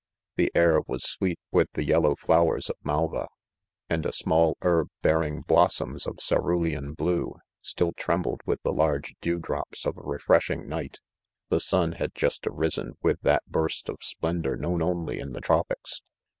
The air was sweet with the yellow flowers of malva; and a small herb bear ing blossoms of cerulean blue, still trembled with the large dew drops of a refreshing night, The sun had just arisen with that hurst of splendor known only in the tropics.